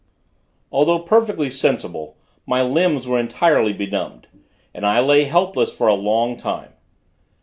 Although perfectly sensible, my limbs were entirely benumbed; and I lay helpless for a long time.